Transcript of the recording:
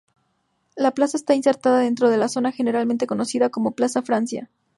La plaza está insertada dentro de la zona generalmente conocida como "Plaza Francia".